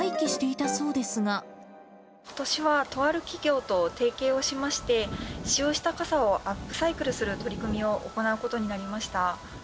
ことしは、とある企業と提携をしまして、使用した傘をアップサイクルする取り組みを行うことになりました。